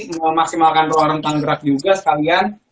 memaksimalkan ruang rentang gerak juga sekalian